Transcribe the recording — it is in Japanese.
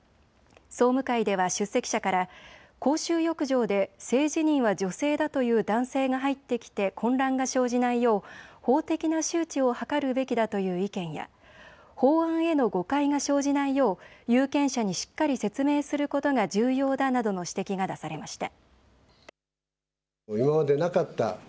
総務会では出席者から公衆浴場で性自認は女性だという男性が入ってきて混乱が生じないよう法的な周知を図るべきだという意見や法案への誤解が生じないよう有権者にしっかり説明することが重要だなどの指摘が出されました。